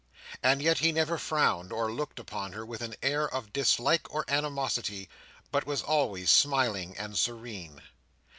And yet he never frowned, or looked upon her with an air of dislike or animosity, but was always smiling and serene.